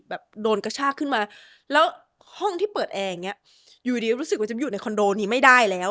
โดนกระชากขึ้นมาแล้วห้องที่เปิดแอร์อย่างเงี้ยอยู่ดีรู้สึกว่าจะมาอยู่ในคอนโดนี้ไม่ได้แล้ว